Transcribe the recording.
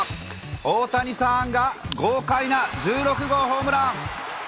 大谷さんが豪快な１６号ホームラン。